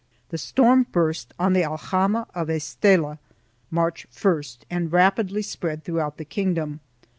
The storm burst on the aljama of Estella, March 1st, and rapidly spread throughout the kingdom.